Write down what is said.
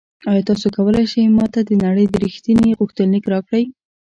ایا تاسو کولی شئ ما ته د نړۍ ریښتیني غوښتنلیک راکړئ؟